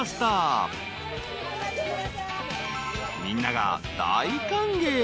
［みんなが大歓迎］